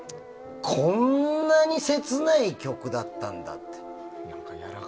こんなに切ない曲だったんだって。